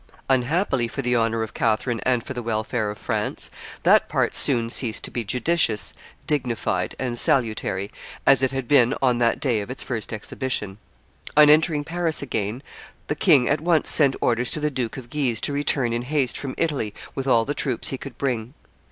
Unhappily for the honor of Catherine and for the welfare of France, that part soon ceased to be judicious, dignified, and salutary, as it had been on that day of its first exhibition. On entering Paris again the king at once sent orders to the Duke of Guise to return in haste from Italy with all the troops he could bring.